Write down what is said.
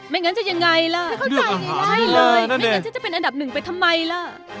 ไม่งั้นจะยังไงล่ะ